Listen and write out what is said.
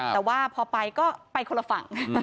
แต่ว่าพอไปก็ไปคนละฝั่ง